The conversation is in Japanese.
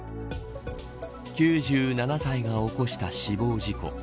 ９７歳が起こした死亡事故。